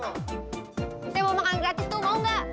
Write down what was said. maksudnya mau makan gratis tuh mau gak